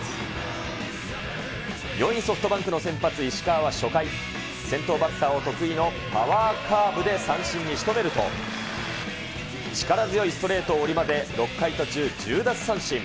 ４位、ソフトバンクの先発、石川は初回、先頭バッターを得意のパワーカーブで三振にしとめると、力強いストレートを織り交ぜ、６回途中１０奪三振。